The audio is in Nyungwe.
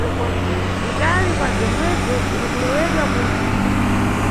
Kutali kwa bzomwedzo Bzirikulewedwa kuti.